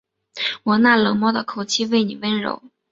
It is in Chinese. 我那冷漠的口气为妳温柔